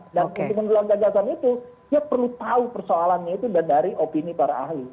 dan untuk mendulang gagasan itu dia perlu tahu persoalannya itu dari opini para ahli